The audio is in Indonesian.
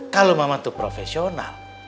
kalo mama tuh profesional